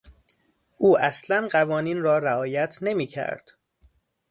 او اصلا قوانین را رعایت نمیکرد.